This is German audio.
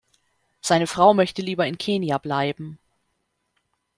Seine Frau möchte lieber in Kenia bleiben.